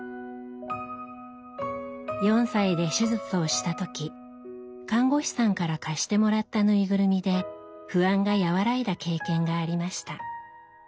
４歳で手術をした時看護師さんから貸してもらったぬいぐるみで不安が和らいだ経験がありました。